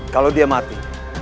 kalau dia mati